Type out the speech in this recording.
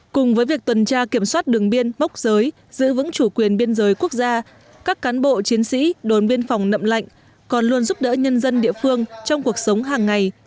cùng với việc tuần tra kiểm soát đường biên mốc giới giữ vững chủ quyền biên giới quốc gia các cán bộ chiến sĩ đồn biên phòng nậm lạnh còn luôn giúp đỡ nhân dân địa phương trong cuộc sống hàng ngày